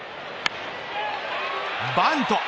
バント。